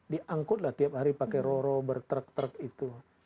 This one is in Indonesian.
diangkutlah tiap hari pakai ro ro bertrek trek itu